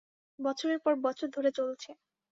বছরের পর বছর ধরে চলছে।